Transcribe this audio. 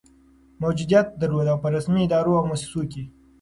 موجودیت درلود، او په رسمي ادارو او مؤسسو کي